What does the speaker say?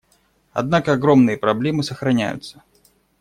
Однако огромные проблемы сохраняются.